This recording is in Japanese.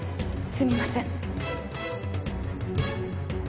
すみません。